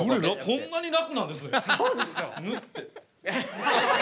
こんなに楽なんですね。